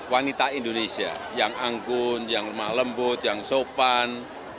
wanita indonesia yang angkun yang lembut yang sopan